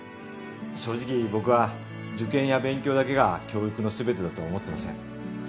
正直僕は受験や勉強だけが教育のすべてだとは思ってません。